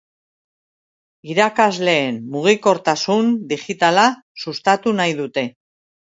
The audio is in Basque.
Irakasleen mugikortasun digitala sustatu nahi dute.